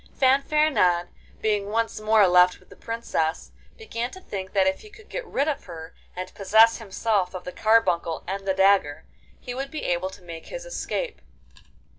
Fanfaronade, being once more left with the Princess, began to think that if he could get rid of her, and possess himself of the carbuncle and the dagger, he would be able to make his escape.